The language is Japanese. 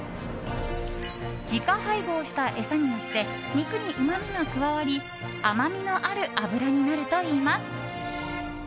自家配合した餌によって肉にうまみが加わり甘みのある脂になるといいます。